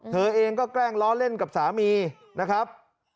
เธอเองก็แกล้งล้อเล่นกับสามีนะครับ